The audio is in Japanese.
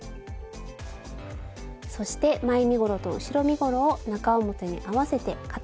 そして前身ごろと後ろ身ごろを中表に合わせて肩線を縫います。